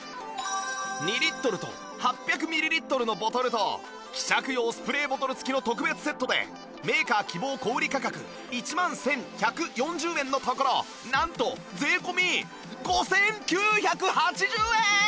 ２リットルと８００ミリリットルのボトルと希釈用スプレーボトル付きの特別セットでメーカー希望小売価格１万１１４０円のところなんと税込５９８０円